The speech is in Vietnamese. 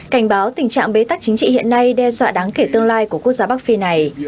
cảnh báo tình trạng bế tắc chính trị hiện nay đe dọa đáng kể tương lai của quốc gia bắc phi này